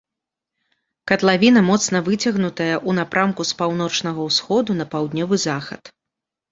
Катлавіна моцна выцягнутая ў напрамку з паўночнага ўсходу на паўднёвы захад.